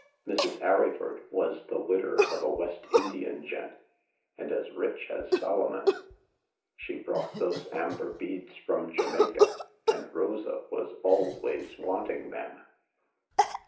Mrs. Arryford was the widder of a West Indian gent, and as rich as Solomon. She brought those amber beads from Jamaica, and Rosa was always want ing them."